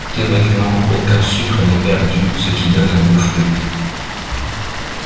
Théoriquement aucun sucre n'est perdu ce qui donne un goût fruité.